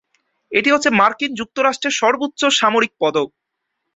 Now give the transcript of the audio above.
এটি হচ্ছে মার্কিন যুক্তরাষ্ট্রের সর্বোচ্চ সামরিক পদক।